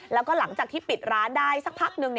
แล้วก็หลังจากที่ปิดร้านได้สักพักหนึ่ง